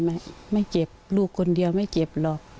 ไม่ไม่เจ็บลูกคนเดียวไม่เจ็บหรอก